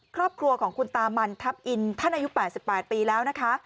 ครอบครัวของคุณตามันทัพอินท่านอายุ๘๘ปีแล้วนะคะ